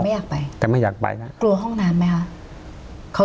อยากไปแต่ไม่อยากไปนะกลัวห้องน้ำไหมคะเขา